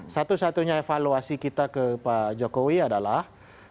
satu satunya evaluasi kita ke pak jokowi adalah